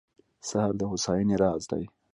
سهار د هوساینې راز دی.